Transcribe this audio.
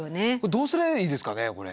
どうすりゃいいですかねこれ。